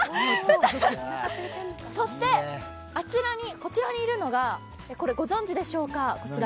そして、こちらにいるのがご存じでしょうか？